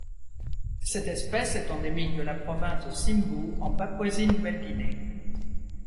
Cette espèce est endémique de la province de Simbu en Papouasie-Nouvelle-Guinée.